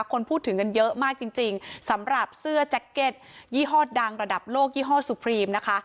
คนพูดถึงกันเยอะมากจริงสำหรับเสื้อแจ็คเก็ตยี่ห้อดังระดับโลกยี่ห้อสุพรีมนะคะ